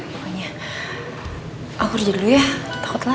pokoknya aku kerja dulu ya takutlah